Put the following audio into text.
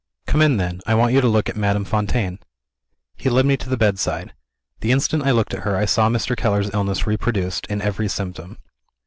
"Come in, then. I want you to look at Madame Fontaine." He led me to the bedside. The instant I looked at her, I saw Mr. Keller's illness reproduced, in every symptom.